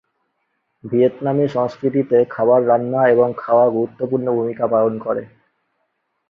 ভিয়েতনামী সংস্কৃতিতে খাবার রান্না এবং খাওয়া গুরুত্বপূর্ণ ভূমিকা পালন করে।